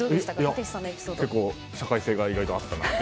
社会性が意外とあったなと。